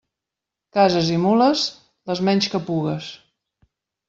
Cases i mules, les menys que pugues.